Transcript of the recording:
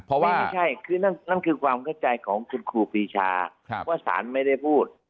ไม่ใช่นั่นคือความเข้าใจของคุณครูปีชาว่าศาลไม่ได้พูด